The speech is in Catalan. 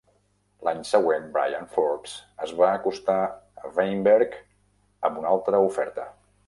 L'any següent, Brian Forbes es va acostar a Weinberg amb una altra oferta.